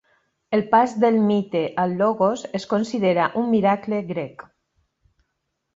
El pas del mite al logos es considera un miracle grec.